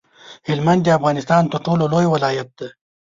هلمند د افغانستان تر ټولو لوی ولایت دی.